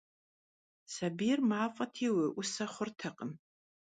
Sabiyr maf'eti, vuê'use xhurtekhım.